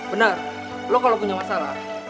benar lo kalau punya masalah